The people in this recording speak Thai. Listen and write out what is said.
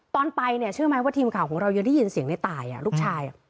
ตอนไปเนี่ยเชื่อไหมว่าทีมข่าวของเรายังได้ยินเสียงในตายลูกชาย